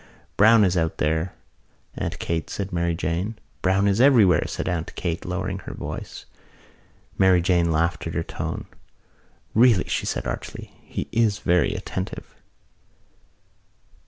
"Browne is out there, Aunt Kate," said Mary Jane. "Browne is everywhere," said Aunt Kate, lowering her voice. Mary Jane laughed at her tone. "Really," she said archly, "he is very attentive."